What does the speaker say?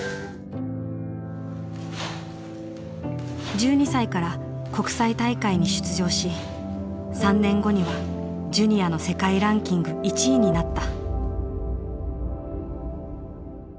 １２歳から国際大会に出場し３年後にはジュニアの世界ランキング１位になった。